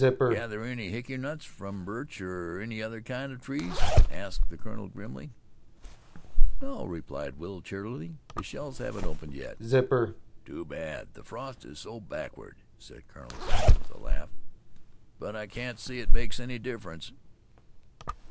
"Gather any hickory nuts from birch or any other kind of trees?" asked the colonel grimly. "No," replied Will cheerily, "the shells haven't opened yet." "Too bad the frost is so backward," said Colonel Zane with a laugh. "But I can't see that it makes any difference."